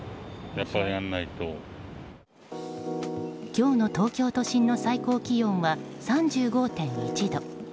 今日の東京都心の最高気温は３５．１度。